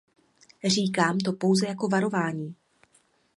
Říkám to pouze jako varování.